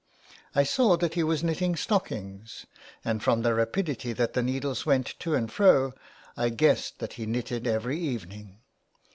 I saw that he was knitting stockings, and, from the rapidity that the needles went to and fro, I guessed that he knitted every evening.